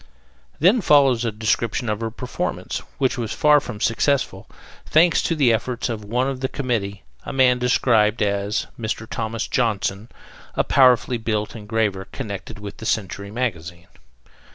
Then follows a description of her performance, which was far from successful, thanks to the efforts of one of the committee, a man described as "Mr. Thomas Johnson, a powerfully built engraver connected with the Century magazine."